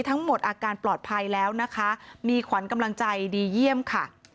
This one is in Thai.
อาการปลอดภัยแล้วนะคะมีขวัญกำลังใจดีเยี่ยมค่ะ